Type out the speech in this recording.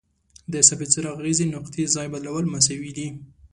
د ثابت څرخ اغیزې نقطې ځای بدلول مساوي دي.